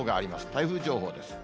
台風情報です。